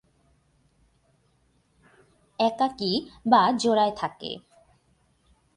একাকী বা জোড়ায় থাকে।